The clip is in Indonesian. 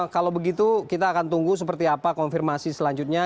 kalau begitu kita akan tunggu seperti apa konfirmasi selanjutnya